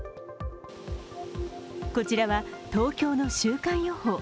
こちらは、東京の週間予報。